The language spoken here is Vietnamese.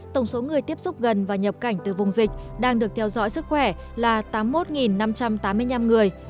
tổng số người tiếp xúc gần và nhập cảnh từ vùng dịch đang được theo dõi sức khỏe là tám mươi một năm trăm tám mươi năm người